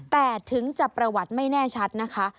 แต่ถึงจะประวัติไม่แน่ชัดนะคะ